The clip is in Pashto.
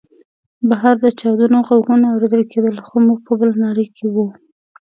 بهر د چاودنو غږونه اورېدل کېدل خو موږ په بله نړۍ کې وو